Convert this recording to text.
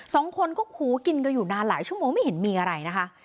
สองคนก็หูกินกันอยู่นานหลายชั่วโมงไม่เห็นมีอะไรนะคะ